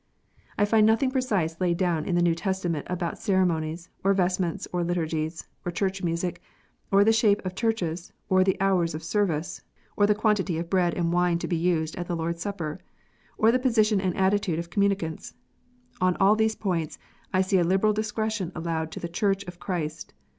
I find nothing precise laid down in the New Testament about ceremonies, or vestments, or liturgies, or church music, or the shape of churches, or the hours of service, or the quantity of bread and wine to be used at the Lord s Supper, or the position and attitude of communicants. On all these points I see a liberal discretion allowed to the Church of Christ.